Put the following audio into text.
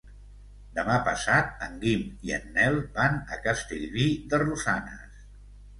Demà passat en Guim i en Nel van a Castellví de Rosanes.